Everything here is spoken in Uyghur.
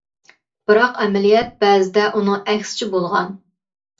بىراق ئەمەلىيەت بەزىدە ئۇنىڭ ئەكسىچە بولغان.